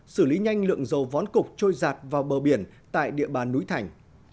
xử lý nhanh lượng dầu vón cục trôi giạt vào bờ biển tại địa bàn núi thành